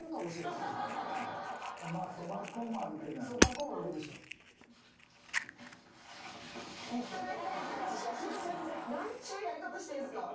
なんちゅうやり方してるんですか。